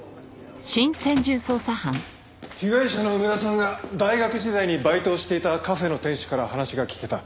被害者の梅田さんが大学時代にバイトをしていたカフェの店主から話が聞けた。